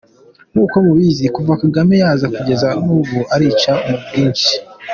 Nk’uko mubizi, kuva Kagame yaza kugeza n’ubu, arica ku bwinshi !!!